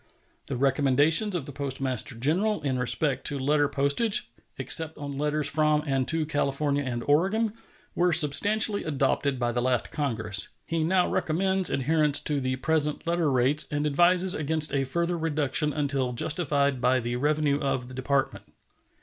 The recommendations of the Postmaster General in respect to letter postage, except on letters from and to California and Oregon, were substantially adopted by the last Congress. He now recommends adherence to the present letter rates and advises against a further reduction until justified by the revenue of the Department.